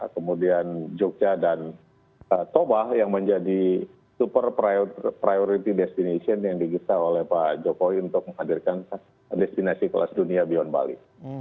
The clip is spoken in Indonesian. kemudian jogja dan toba yang menjadi super priority destination yang digisah oleh pak jokowi untuk menghadirkan destinasi kelas dunia beyond bali